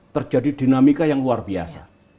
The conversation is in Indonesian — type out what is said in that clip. terjadi dinamika yang luar biasa